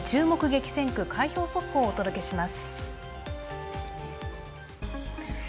激戦区開票速報をお届けします。